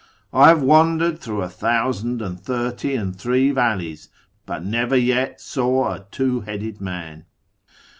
"I have wandered through a thousand and lliiity and tluve valleys, But never yet saw a two headed man